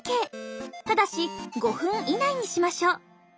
ただし５分以内にしましょう。